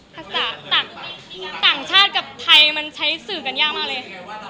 ภาษาต่างชาติกับไทยมันใช้สื่อกันยากมากเลย